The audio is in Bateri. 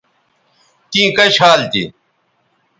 تیں کش حال تھی